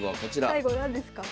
最後何ですか？